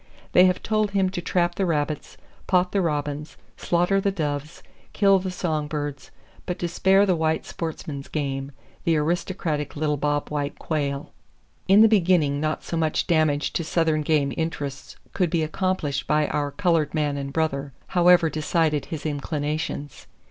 They have told him to trap the rabbits, pot the robins, slaughter the doves, kill the song birds, but to spare the white sportsman's game, the aristocratic little bobwhite quail. In the beginning not so much damage to southern game interests could be accomplished by our colored man and brother, however decided his inclinations.